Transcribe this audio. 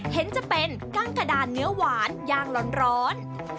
เห็นจะเป็นกั้งกระดานเนื้อหวานย่างร้อน